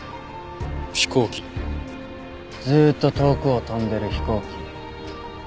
ずっと遠くを飛んでる飛行機。